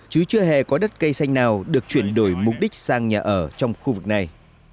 chứ chưa hề có đất cây xanh nào được chuyển đổi mục đích sang nhà ở trong khu vực này